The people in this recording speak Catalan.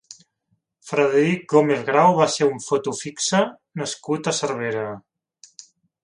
Frederic Gómez Grau va ser un foto fixa nascut a Cervera.